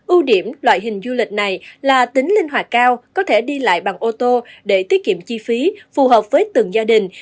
ưu điểm loại hình du lịch này là tính linh hoạt cao có thể đi lại bằng ô tô để tiết kiệm chi phí phù hợp với từng gia đình